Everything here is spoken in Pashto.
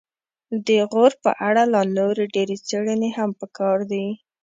د غور په اړه لا نورې ډېرې څیړنې هم پکار دي